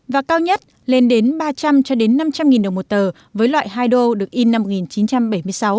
và cao nhất lên đến ba trăm linh cho đến năm trăm linh đồng một tờ với loại hai đô được in năm một nghìn chín trăm bảy mươi sáu